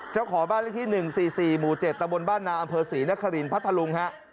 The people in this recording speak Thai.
เจ้าขอบ้านลิขที่หนึ่งสี่สี่หมู่เจ็ดตะบนบ้านนาอำเภอศรีนครีนพัทรลุงฮะ